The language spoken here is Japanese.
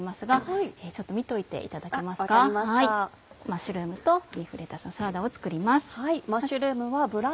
マッシュルームとリーフレタスのサラダを作ります。